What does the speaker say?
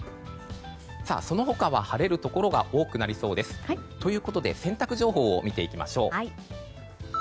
その他は晴れるところが多くなりそうです。ということで洗濯情報を見ていきましょう。